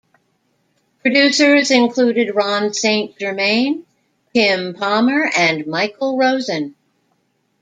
Producers included Ron Saint Germain, Tim Palmer, and Michael Rosen.